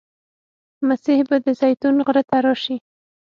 مسیح به د زیتون غره ته راشي.